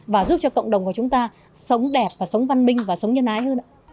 và giúp cho cộng đồng của chúng ta sống đẹp sống văn minh và sống nhân ái hơn